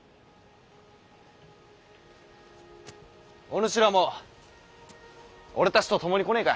お主らも俺たちと共に来ねえか？